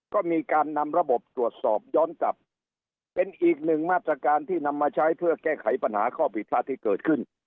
ก็มีการนำระบบตรวจสอบย้อนกลับเป็นอีกหนึ่งมาตรการที่นำมาใช้เพื่อแก้ไขปัญหาข้อผิดพลาดที่เกิดขึ้น